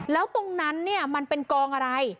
แล้วตรงนั้นเนี่ยมันเป็นกองอะไร